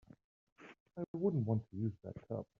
I wouldn't want to use that tub.